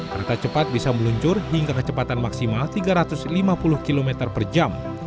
kereta cepat bisa meluncur hingga kecepatan maksimal tiga ratus lima puluh km per jam